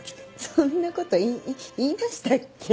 そんなこと言いましたっけ？